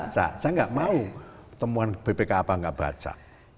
saya enggak mau temuan bpk apa enggak baca